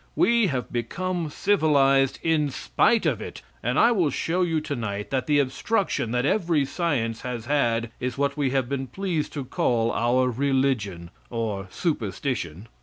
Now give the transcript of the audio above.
We have become civilized in spite of it, and I will show you tonight that the obstruction that every science has had is what we have been pleased to call our religion or superstition.